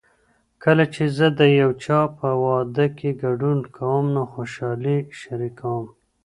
کله چې زه د یو چا په واده کې ګډون کوم نو خوشالي شریکوم.